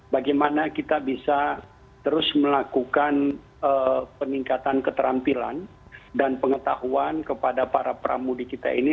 bagaimana kita bisa terus melakukan peningkatan keterampilan dan pengetahuan kepada para pramudi kita ini